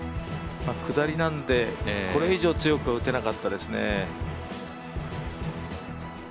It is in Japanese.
下りなのでこれ以上は強く打てなかったですね。